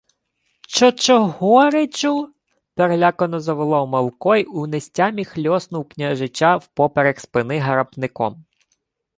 — Чо-чого, речу! — перелякано заволав Малко й у нестямі хльоснув княжича впоперек спини гарапником.